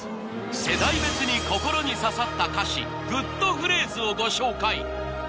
世代別に心に刺さった歌詞グッとフレーズをご紹介